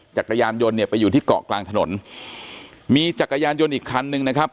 จักรยานยนต์เนี่ยไปอยู่ที่เกาะกลางถนนมีจักรยานยนต์อีกคันนึงนะครับ